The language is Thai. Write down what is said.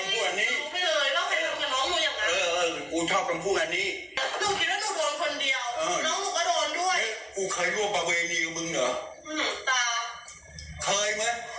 น้องผมก็โดนด้วย